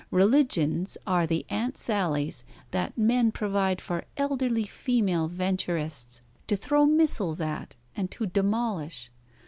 Religions are the Aunt Sallies that men provide for elderly female venturists to throw missiles at and to demolish.